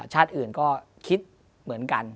ชาติอื่นก็คิดเหมือนกัน